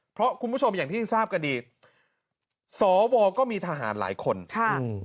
เพราะคุณผู้ชมอย่างที่ที่ที่ทราบกันดีสอวอก็มีทหารหลายคน